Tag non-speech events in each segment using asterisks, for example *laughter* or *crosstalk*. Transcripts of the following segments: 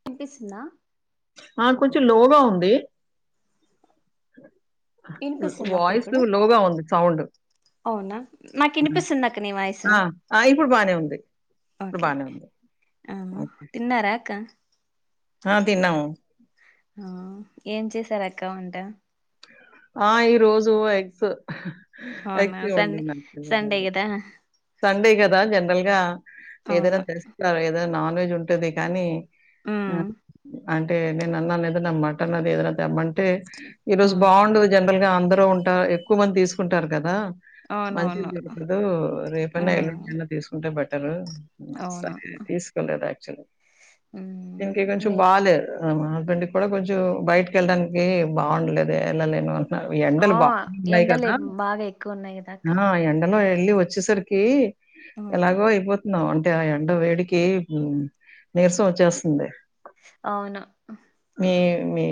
వినిపిస్తుందా ఆ కుంచెం లో గా ఉంది వినిపిస్సుందా అక్క వాయిస్ ఇప్పుడు లోగా ఉంది సౌండ్. అవునా నాకు హ్మ్. వినిపిస్సుంది అక్క నీ వాయిసు ఆ! ఆ! ఇప్పుడు బానే ఉంది. ఇప్పుడు ఓకే బానే ఉంది. ఓకే. తిన్నారా అక్క. ఆ తిన్నాం ఆ ఏం చేసారు అక్క వంట ఆ ఈ రోజు ఎగ్స్ ఆ అవునా ఎగ్స్ సండే వండినాను, సండే కదా *unintelligible* సండే కదా జనరల్ గా ఏదైనా అవును తెస్తార ఏదైనా నాన్ వెజ్ ఉంటది కానీ ఆ ఉమ్ అంటే నేను అన్నా ఏదన్నా మటన్ అది ఏదైనా తెమ్మంటే ఈ రోజు అవును బాగుండదు జనరల్ వే అందరు ఉంటే ఎక్కువ మంది తీసుకుంటారు గదా మంచిది అవునవును దొరకదు రేపైనా ఉమ్ ఎల్లుండైనా తీసుకుంటే బట్ అన్ మ్మ్ అవును సరి తీసుకెల్లలే చరే ఉమ్ దీనికి కొంచం మీ బాలేదు ఆమ ఇట్టాంటప్పుడు కొంచెం బయటిక వెళ్ళడానికి బాగుండదు గదే ఎల్లలేను ఎండలు ఆ బా ఉన్నాయి ఎండలు కదా బాగా ఎక్కువ ఉన్నాయి కదా అక్క ఆ ఎండలో మళ్ళీ వచ్చేసరికి ఉమ్, ఎలాగో అయిపోతున్నావ్ అ ఆ ఎండ వేడికి నీరసం వచ్చేస్తుంది అవును మ్ ఎ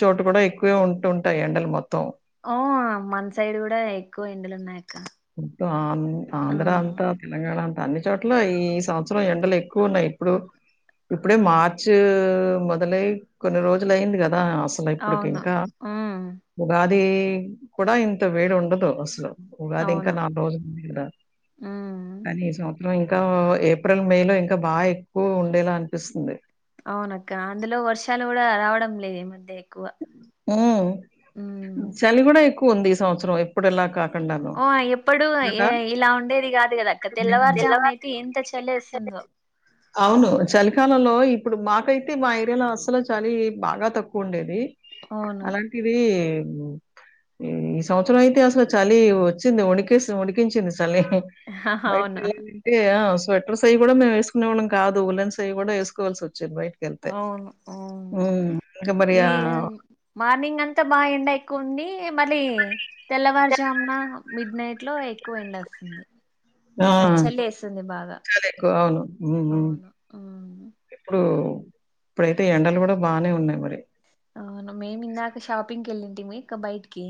చోటు కూడా ఎక్ ఎక్వ ఉంటుంటయి ఎండ మొ ఓ మన సైడ్ కూడా ఎక్కువ ఎండలు ఉన్నాయక్క ఆ ఆ ఆంధ్ర అంతా తెలంగాణ అన్ని చోట్ల ఈ సంవత్సరం ఎండలు ఎక్కువ ఉన్నాయి ఇప్పుడు ఇప్పుడే మార్చ్ మొదలై కొన్ని రోజులు అయింది కదా అసలు అవును ఇప్పుడుకింకా ఉమ్ ఉగాది అది కూడా ఇంత వేడి ఉండదు అసలు అవును రోజుక్ రా ఉమ్ కానీ ఈ సంవత్సరం ఆ ఇంకా ఏప్రిల్ మే లో ఇంకా బాగా ఎక్కువ ఉండేలా అనిపిస్తుంది అవునక్క అందులో వర్షాలు గూడా రావడం లేదు ఈ మధ్య ఎక్కువ హమ్ ఉమ్ చలి గుడా ఎక్ ఉంది ఈ సంవత్సరం ఎప్పుడిలా కా ఓ ఎప్పుడు ఇలా ఉండేది కాదు కదా అక్క హ్మ్. హ్మ్. తెల్లవారుజామున అయితే ఎంత చలేస్తుందో అవును. చలికాలంలో ఇప్పుడు మాకైతే మా ఏరియాలో అసలు చలీ బాగా తక్కువ ఉండేది అవును అలాంటిది ఈ సంవత్సరం అయితే అసలు చలి వచ్చింది వణికిస్ వనికించింది చలీ బయటకి అవును ఎల్తే ఆ స్వెటర్స్ అయి గుడా మేము వేసుకునేవాలం కాదు ఉన్నంసేపు గుడా వేసుకోవల్సి బయటికెళ్తే అవును ఉమ్. హుమ్ ఇంకా మరి ఈ ఆ మార్నింగ్ అంతా బాగా ఎండ ఎక్కువ ఉంది మళ్ళీ తెల్లవారుజామున మిడ్ నైట్ లో ఎక్కువ ఎండస్తుంది ఆ బాగా చాలా ఎక్కువ అవును ఊ ఊ అవును ఉమ్. ఇప్పుడు ప్పుడైతే ఎండలు కూడా బానే ఉన్నాయి మరి ఔను మేం ఇందాక షాపింగ్ కి ఎళ్లింటిమి క బైటికి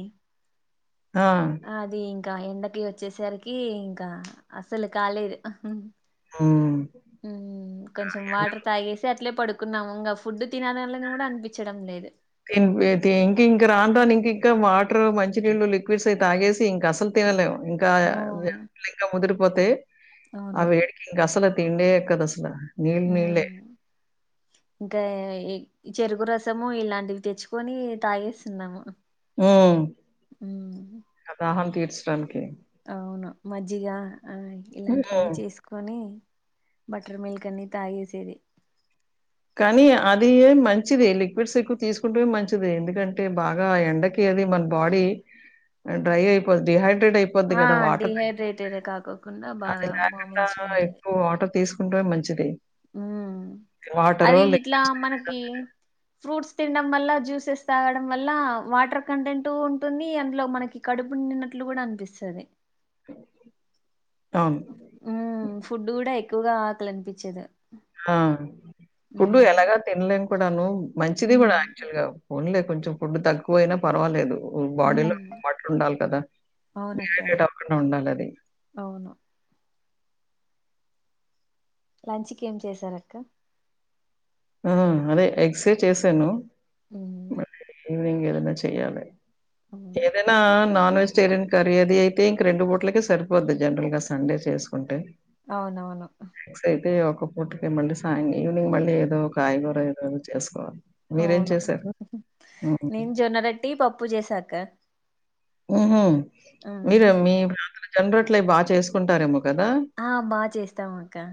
ఆ క ఎండకి వచ్చేసరికి ఇంక అస్సలు కాలేదు హ్మ్. ఉమ్ కొంచం వాటర్ తాగేసి అట్ ట్లే పడుకున్నాము ఇంగ ఫుడ్ తినాలన్లని గుడా అన్పిచ్చడం లేదు కిం గైతే ఇంక్ ఇంకింక రాను రాను ఇంక్ ఇంకా వాటర్ మంచినీళ్లు లిక్విడ్స్ అయి తాగేసి ఇంకా అసలు తినలేము ఇంకా ఓ ఎండలింక ముదిరిపోతే అవును అవి వేడికి ఇంక అసలు తిండే ఎక్కదసల నీళ్ళు ఉయ్ నీళ్ళే. ఇంగ చెరుకు రసం సము ఇలాంటివి తెచ్చుకొని తాగేస్తున్నాము ఉమ్ ఉమ్, అదాహం తీర్ స్రంకి అవును మజ్జిగ ఆ ఇలాంటివన్నీ హ్మ్. చేసుకొని బటర్ మిల్క్ అన్ని తాగేసేది కానీ అది మంచిది లిక్విడ్స్ ఎక్కువ తీసుకుంటు మంచిది ఎందుకంటే బాగా ఎండకి అది మన బాడీ డ్రై అయిపోద్ది హై డెడ్ అయిపోద్ది ఆ కద వాటర్ డిహైడ్రేటెడ్ కాకోకుండా అది బాగా మా కాకుండా మంచిగా ఎక్కువ వాటర్ తీసుకుంటే ఉంటు మంచిది ఉ అది వాటరో లే ఇట్లా మనకి ఫ్రూట్స్ తినడం వల్ల జ్యూసెస్ తాగడం వల్ల వాటర్ కంటెంట్ ఉంటుంది అందులో మనకి కడుపు నిండినట్లు కూడా అనిపిస్తుంది అవును. ఉ ఫుడ్ కూడా ఎకువగా ఆకల అనిపించది ఆ ఫుడ్డు ఎలాగా తినలేం క్కడను మంచిది ఉమ్ కూడా యాక్చువల్ గా ఫోన్ లే కొంచెం ఫుడ్ తక్కువ అయినా పర్వాలేదు ఉమ్ బాడీలో వాటర్ ఉండాలి కదా అవునక్క డిహైడ్రేట్ అవకుండా ఉండాలి అది అవును లంచ్కి ఏం చేసారక్క ఆ అదే ఎక్సే చేశాను హ్మ్ ఈవనింగ్ ఏదన్న చేయ్యాలి ఏదేనా నాన్ వెజిటేరియన్ కర్రీ అది అయితే ఇంక రెండు బూట్లకే సరిపోద్ది జనరల్ గా సండే చేసుకుంటే అవునవును పోట్క మళ్డి సా వవినింగ్ మళ్ళ ఏదో కాయగుర ఎధో తెస్కువ అవును హు హు హ్మ్. నేను జొన్నరట్టి పప్పు చేసాక ఉహుమ్ మీరమ్మ మి జోన్న రోటలు బాగా చేసుకుంటారేమో కదా! ఆ బాగా చేస్తాం అక్క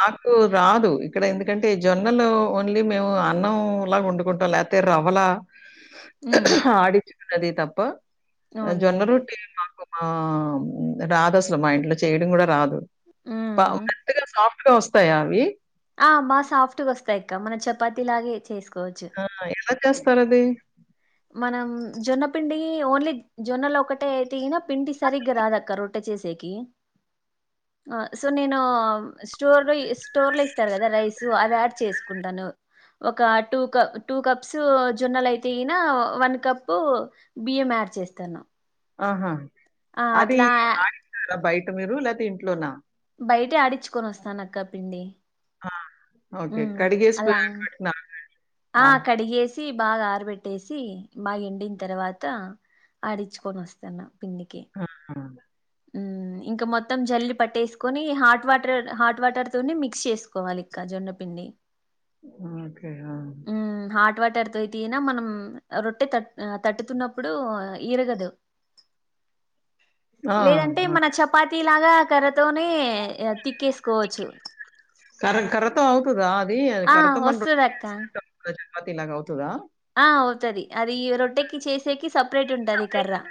నాకు రాదు ఇక్కడ ఎందుకంటే జొన్నలో ఓన్లీ మేము అన్నం లాగా వండుకుంటాం లేకపోతే రవలా ఉమ్ ఆడిచ్ అదే తప్ప జొన్న అవునులేండి రొట్టి మాకు ఆ రాదు అసలు మా ఇంట్లో చేయడం కూడా రాదు త ఉమ్ మెత్తగా సాఫ్ వస్తాయా అవి ఆ బా సాఫ్ట్ వస్తాయి అక్క మన చపాతి లాగే చేసుకో ఆ ఎవరు స్తార అది మనం జొన్న పిండి ఓన్లీ జొన్నలో ఒకటే అయితేనా పిండి సరిగ్గా రాదక్క రొట్టె చేసేకి ఆ సో నేను స్టోర్ లో స్టోర్ లో ఇస్తారు కదా రైస్ అవి యాడ్ చేసు ఉంటాను ఒక టు కప్ కప్స్ జొన్నలు అయితే గి న్ కప్పు బియ్యం యాడ్ చేస్తాను ఆహా ఆ! అది అట్లా ఆ ఆడిస్తారా బయట్ అంటే మీరు లేతే ఇంట్లో నా బయటే ఆడిచ్చుకొని వస్తాన అక్క పిండి. ఆ ఓకే హ్మ్. కడిగేసి బయట అలా పెట్టుకొని ఆర పెట్ట ఆ కడిగేస్ చి బాగా ఆరబెట్టేసి బాగా ఎండిన తర్వాత ఆడిచ్చుకొని వస్తాన్న. ఆహ్ హా ఉహ్మ్ ఇంకా మొత్తం జల్లి పట్టేసుకొని హాట్ వాటర్, హాట్ వాటర్ తోని మిక్స్ చేసుకోవాలి. ఇక్క జొన్నపిండి. అ ఓకే అ తర్ తోయ్ తిన మనం రొట్టె తటు తట్టుతున్నప్పుడు ఈరగదు ఆ! లేదంటే ఓకే. మన చపాతి లాగా కర్రతోనే తిక్కేసుకోవచ్చు. కర్ర కర్రతో అవుతదా అది ఆ కర్రతో మనం రొట్ట వస్తది అక్క చేస్తే దాని ప్రెషర్ కి పతినంగా అవుతుందా ఆ అవుతది. అది రొట్టెకి చేసేకి సపరేట్ ఉంటది ఈ కర్ర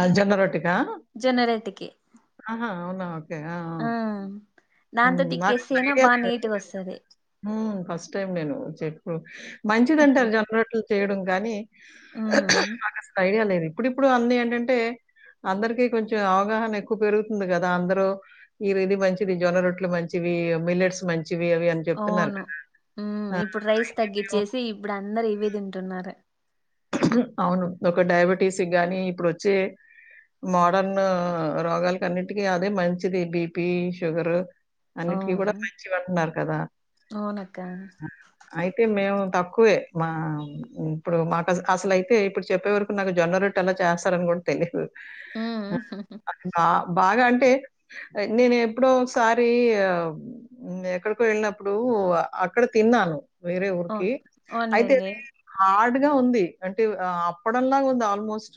ఆ జొన్న రొట్టెకా. జొన్న రొట్టెకి ఆహా, అవునా ఓకే ఆ ఆహ్ ఆ హ్మ్. దాంతో నాకసలు తిక్కేసేనా ఐడియా బాగా లేదు. నీటిగా వస్తది. చెప్పు మంచిదంటారు గా రోట్లు చేయడం. గానీ ఉమ్ నాకస్సలు ఐడియా లేది ఇప్పుడిప్పుడు అన్ని ఏంటంటే అందరికి కొంచెం అవగాహన ఎక్కువ పెరుగుతుంది కదా. అందరు ఈరి ఇది మంచిది. జొన్న రొట్లు మంచివి, మిల్లెట్స్ మంచివ్. అవును. ఉహ్మ్ ఆ! ఇప్పుడు రైస్ తగ్గిచ్చేసి ఇప్పుడు అందర్ రివి తింటున్నారు. అవును. ఒక డయాబెటీస్ గానీ ఇప్పుడు వచ్చే మోడర్న్ రోగాలలకు అన్నింటికీ అదే మంచిది బీపీ, షుగరు. అన్నిటికీ కూడా అవును మంచివి అంటున్నారు కదా. అవునక్క ఆహ్ అయితే మేము తప్ క్కువే మా ఇప్పుడు మాక్ అసల్ అసలు అయితే ఇప్పుడు చెప్పే వరకు నాకు జొన్న రొట్టె అలా చేస్తారని కూడా తెలిదు. ఉహ్ హుహు బాగా అంటే. నేను ఎప్పుడో ఒకసారి ఎక్కడికో వెళ్ళినప్పుడు ఆ అక్కడ తిన్నాను. వేరే ఊరికి అవును అయితే అవునులేండి అది హడ్ డిగా ఉంది. అంటే అప్పడంలాగా ఉంది ఆల్మోస్ట్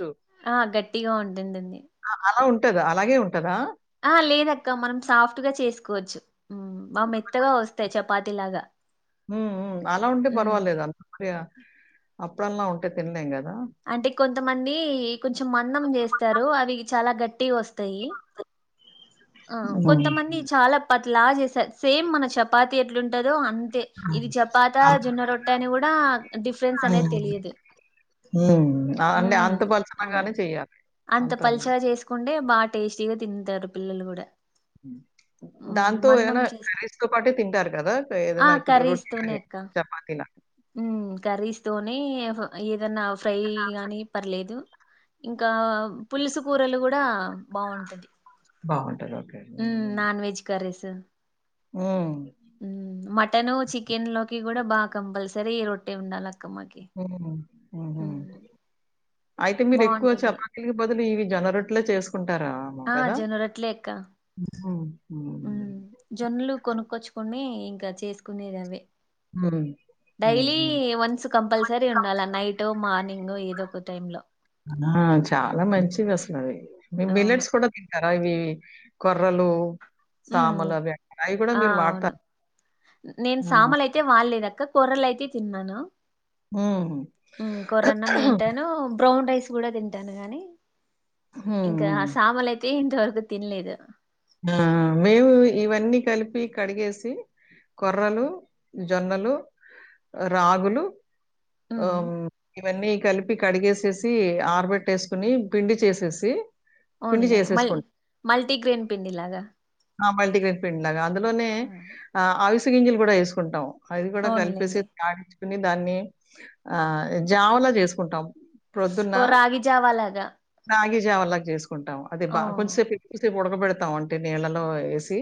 ఆ గట్టిగా ఉంటుందింది. ఉంటద్ అలాగే ఉంట్ ఆ లేదక్క మనం సాఫ్ట్ గా చేసుకోవచ్చు హు బా మెత్తగా వస్తాయ్ చపాతీ లాగా హు హు అలా ఉంటే పర్వాలేదు అంతక్రియ అప్పుడలా ఉంటే తినలేం కదా అంటే కొంతమంది కొంచెం మదాం చేస్తారు. అవి చాలా గట్టి టీగ్ వస్తాయి. ఆ హ్మ్. కొంతమంది చాలా పత్ అట్లా చేసారు సేమ్ మన చపాతి ఎట్లుంటద్ దొ అంతే. ఇది చపాత, జొన్న రొట్టె అని కూడా డిఫరెన్స్ అనేది హ్మ్. తెలియదు. హ్మ్. ఆ! అంటే ఉహ్మ్ అంత అల్ పలచనగానే చేయాలి. అంత పలుచగా చేసుకున్ టె బాగా టేస్టీ గా తింతారు పిల్లలు కూడా ఉహ్ ఉమ్ దాంతో మందం ఏదనా చేస్ కరీస్తో పాటే తింటారు కదా. ఏదనా ఇప్పుడు రొట్టి గాని చపాతినా ఉహ్మ్ కర్రీస్తోనే ఏ ఏదన్నా ఫ్రై గానీ పర్లేదు ఇంకా పులుసు కూరలు కూడా బావుంటది బావుంటదో హు నాన్వెజ్ కర్రీస్ తః హు హు మటన్ చికెన్ లోకి కూడా బా కంపల్సరీ రొట్టె ఉండాలక్ హృహు హు హు అయితే మీరు ఎక్కువ బాగుంటుంది చపాతీల్కి బదులు ఇవి జొనరోట్లే చేస్క్ ఆ జొనరెట్లక్క హుహు. హ్మ్. జోనులు కొనుకొచ్చుకొని ఇంకా చేసుకునేది అవే హ్మ్. డైలీ హుహు. వన్స్ కంపల్సరీ ఉండాలా నైట్ మార్నింగ్ ఇవ్ ఒక తైంలో ఆ చాలా మంచిది అసలాది మీమ్ అవును బిలేెట్స్ కూడా తింటారా ఇవి కొర్రలు హు సామలు అవి అంటారు. అయి కూడా ఆ మీరు అవును వాడతారా? నేన్ ఆ! సమలైతే వడలేదాక్క కొర్రలైతే తిన్నను హ్మ్. హు కొర్రాన్నం తింటాను. బ్రోన్ రై తుడా తింటాను గానీ ఇంకా హ్మ్. సమాలైతేన్ తరుకు తినలేదు ఆ ఆ మేము ఇవన్నీ కలిపి కడిగేసి కొర్రలు జొన్నలు రాగులు వో ఉమ్ ఇవన్నీ కలిపి కడిగేసేసి ఆరబెట్టేసుకుని పిండి చేసేసి పిండి ఉన్లే మల్ చేసేసుకుంటాం. మల్టీగ్రీన్ పిండిలాగా ఆ మల్టిగ్రీన్ పిండి లాగా అందులోనే ఆ, ఆవిస్ కింజలు కూడా ఏసుకుంటావ్ అది కూడా కలిపేసే అవునులేండి యాడిచ్ నిదానే ఆ జావలా చేసుకుంటాం. ఓ రాగిజావా లాగా జావాలా జేస్క్ కుంటాం. అదే ఆ బా కొంచసేపు ఎక్కువ సేప్ ఉడకబెడ్తామ్ ఉంటే నీళ్ళలో వేసి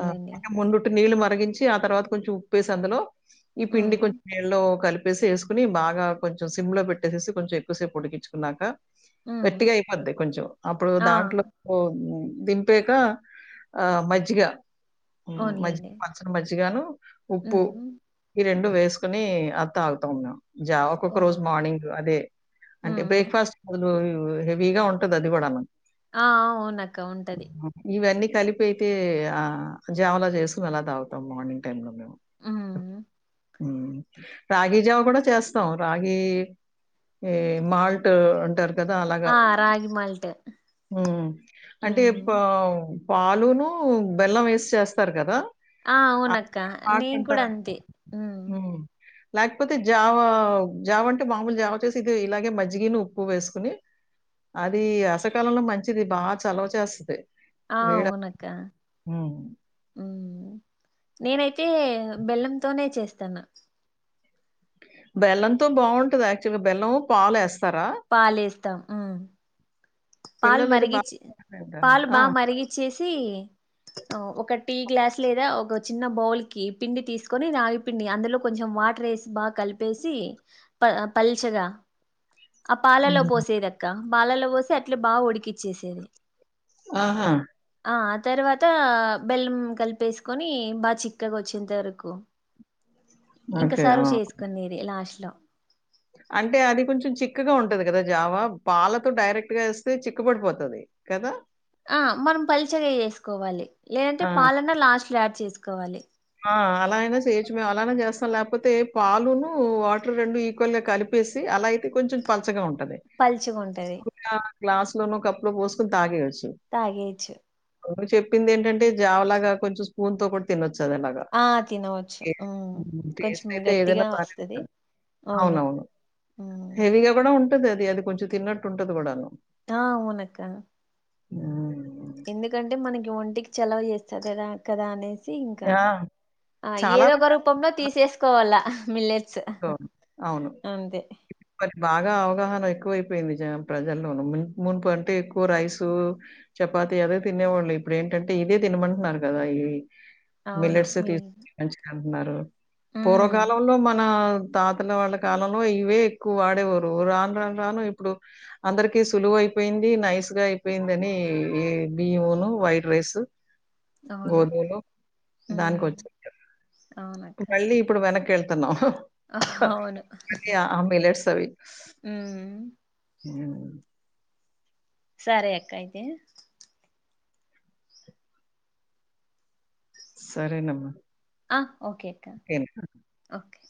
ఆ ముందటి నీలు మారి తరిగించి ఆ తర్వాత కొంచెం ఉప్పుేసి అందులో ఈ పిండి ఉమ్ కొంచెం నీళ్లలో కలిపి వప్పేసి వేసుకుని బాగా కొంచెం సిమ్ లో పెట్టేసేసి కొంచెం ఎక్కువసేపు ఉడికించుకున్నాక ఉమ్ గట్టిగా అయిపోద్ది కొంచెం అప్పుడు ఆ దాంట్లో దింపే ఇంకా ఆ మజ్జిగా మజ్జిగ అవునులేండి పల్చని మజ్జిగాను ఉప్పు ఉమ్ ఈ రెండు ఉప్పు వేసుకుని అది తాగుతాం జావా ఓ ఒక్కొక్క రోజు మార్నింగ్ అదే అంటే ఉమ్ బ్రేక్ఫాస్ట్ బదులు హెవీగా ఉంటుది. అది కూడాను ఆ అవునక్క ఉంటది ఇవన్నీ కలిపి అయితే ఆ జావా లా చేసుకుని అలా తాగుతాం మార్నింగ్ టైమ్ లో ఉమ్ రాగి జావ కూడా చేస్తాం రాగి ఏ మాల్ట్ అంటారు. కదా అలాగా ఆ రాగి మాల్ట్ అంటే ఉమ్ పో పాలును బెల్లం వేసి చేస్తారు కదా ఆ అది అవునక్క మాల్ట్ నెన్ కూడా అంటారా? అంతే హ హ్మ్. లేకపోతే జావ జావ అంటే మామూలు జావ వచ్చేసి ఇది ఇలాగే మజ్జిగని ఉప్పు వేసుకుని అ అది అసకాలంలో మంచిది బాగా చలవ చేస్తంది ఆ అవును అక్క నేనై తే బెల్లంతోనే చేస్తాను బెల్లంతో బాగుంటది యాక్చువల్గా బెల్లం పాలేస్త పాలేస్తాం పాలు పిల్లలది బాగా మరిగించి తింటారు. పాలు ఆ! బాగా మరిగించేసే సి ఒక టీ గ్లాస్ లేదా ఒక చిన్న బౌల్ కి పిండి తీసుకొని నాగి పండి అందులో కొంచెం వాటర్ వేసి బాగా కలిపేసి ప పలిచగా ఆ పాలలో హ్మ్. పోసేదక్క పాలల్లో పోసి అట్లు బాగా ఉడికిచ్చేసేది ఆహా ఆ తర్వాత బెల్లం కలిపేసుకొని బాగా చిక్కగా వచ్చేంత వరకు ఇంకా ఓకే. ఆ! సర్వ్ చేసుకునేది లాస్ట్ య అంటే అది కొంచెం చిక్కగా ఉంటది కదా జావా పాలతో డైరెక్ట్గా వేస్తే చిక్క పడిపోతది కదా ఆ మనం పలచగా వేసుకోవాలి లేదంటే ఆ! పాలన్నా లాస్ట్ ట్యాప్ చేసుకోవాలి అ అలా ఐనా చేయచ్చు మేము అలానే చేస్తాం లేకపోతే పాలును వాటర్ రెండు ఈక్వల్గా కలిపేసి అలా అయితే కొంచెం పలచగా ఉంటది పల్చుకుంటది గ్లాస్ లోనో కప్ లో పోసుకుని తాేయవచ్చు తాగేచ్చు చెప్పింది ఏంటంటే జావలాగా కొంచెం స్పూన్ తో కూడా తినొచ్చు ఆ తినవచ్చు ఉమ్. కొంచెం టేస్ట్ అయితే ఏదైనా గట్టిగా బానే వస్తది ఉంటుంది అవును అవును ఉమ్. హెవీ గా కూడా ఉ ఉంటది అది అది కొంచె తన్నట్టుంటది కూడాను ఆ అవును అక్క ఆ ఎందుకంటే మనకి ఒంటికి చెలవు చేస్తంది కదా కదా అనే సి ఇంకా ఆ! ఆ చాలా ఏదో ఒక రకాలుగా రూపంలో తీసేసుకోవాలా మిల్లెట్ అవును. అంతే మరి బాగా అవగాహన ఎక్కువ అైపోయింది ప్రజల్లోన ము మునుపు అంటే ఎక్కువ రైసు చపాతి అదే తినేవాళ్ళు ఇప్పుడు ఏంటంటే ఇదే తినమంటున్నారు కదా ఇవి అవును మిల్లెట్స్ మిల్ *unintelligible* అంటున్నారు ఉమ్ పూర్వకాలంలో మన తాతల వాళ్ళ కాలంలో ఇవే ఎక్కువ వాడేవారు రాను రాను రాను ఇప్పుడు అందరికి సులువు అయిపోయింది నైస్ గా అయిపోయింద అని ఈ బియమును వైట్ రైస్ అవును గోధులో ఉమ్ దానికి వచ్చే అవునక్క మళ్ళీ ఇప్పుడు వెనక్కి వెళ్తు తన అదే అమెలర్స్ సవి అ హ సరే అక్కయితే సరేనమ్మ ఆ ఓకే అక్క ఓకే